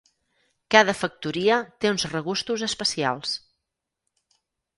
Cada factoria té uns regustos especials.